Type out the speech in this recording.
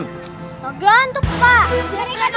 tidak gantuk pak